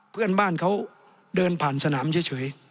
เพื่อนบ้านเขาเดินผ่านสนามเฉย